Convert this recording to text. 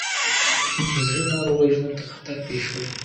د زړه ناروغۍ ژوند ته خطر پېښوي.